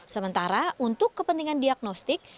sementara untuk kepentingan diagnostik